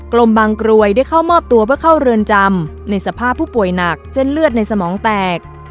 ลมบางกรวยได้เข้ามอบตัวเพื่อเข้าเรือนจำในสภาพผู้ป่วยหนักเส้นเลือดในสมองแตก